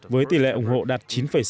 với tỷ lệ ủng hộ đạt chín sáu